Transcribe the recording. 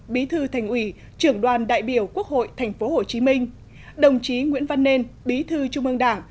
bí thư thành ủy trưởng đoàn đại biểu quốc hội tp hcm đồng chí nguyễn văn nên bí thư trung ương đảng